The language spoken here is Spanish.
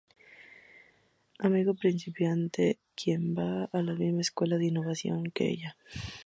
Amigo de Principiante quien va a la misma escuela de invocación que ella.